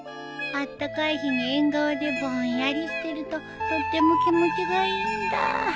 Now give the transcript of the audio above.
あったかい日に縁側でぼんやりしてるととっても気持ちがいいんだ。